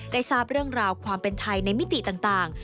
ทราบเรื่องราวความเป็นไทยในมิติต่าง